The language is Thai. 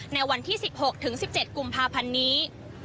ในวันที่สิบหกถึงสิบเจ็ดกุมภาพันนี้